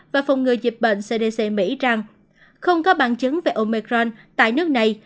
và phòng ngừa dịp bệnh cdc mỹ rằng không có bằng chứng về omicron tại nước này